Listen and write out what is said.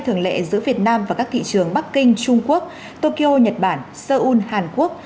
thường lệ giữa việt nam và các thị trường bắc kinh trung quốc tokyo nhật bản seoul hàn quốc